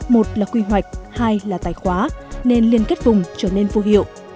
một là quy hoạch hai là tài khoá nên liên kết vùng trở nên vô hiệu